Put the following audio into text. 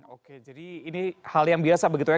oke jadi ini hal yang biasa begitu ya